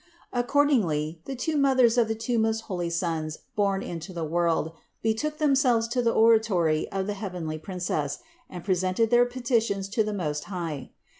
Accordingly the two mothers of the two most holy Sons born into the world betook themselves to the oratory of the heavenly Princess and presented their peti tions to the Most High.